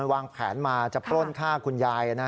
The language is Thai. วางแผนมาจะปล้นฆ่าคุณยาย